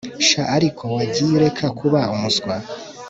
sha ariko wagiye ureka kuba umuswa